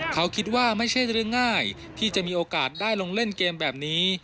เขาคิดว่าไม่ใช่เรื่องง่ายที่จะมีโอกาสได้ลงเล่นเกมแบบนี้